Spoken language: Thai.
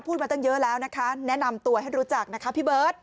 มาตั้งเยอะแล้วนะคะแนะนำตัวให้รู้จักนะคะพี่เบิร์ต